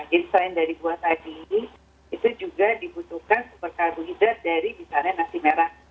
jadi selain dari buah tadi itu juga dibutuhkan superkarbohidrat dari misalnya nasi merah